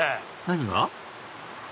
何が？